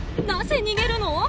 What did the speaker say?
なぜ逃げるの？